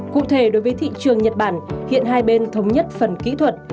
cụ thể đối với thị trường nhật bản hiện hai bên thống nhất phần kỹ thuật